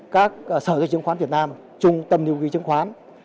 các sở dịch chứng khoán việt nam trung tâm lưu ký chứng khoán